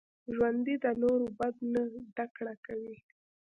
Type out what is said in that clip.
ژوندي د نورو بد نه زده کړه کوي